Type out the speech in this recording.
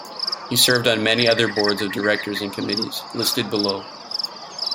He served on many other boards of directors and committees, listed below.